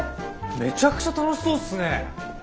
めちゃくちゃ楽しそうっすね。